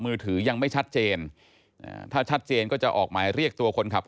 มือถือยังไม่ชัดเจนถ้าชัดเจนก็จะออกหมายเรียกตัวคนขับ